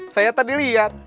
saya tadi liat